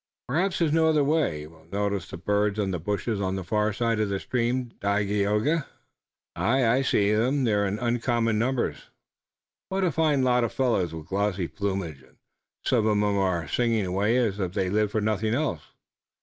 "Perhaps there is no other way? You will notice the birds on the bushes on the far side of the stream, Dagaeoga?" "Aye, I see 'em. They're in uncommon numbers. What a fine lot of fellows with glossy plumage! And some of 'em are singing away as if they lived for nothing else!"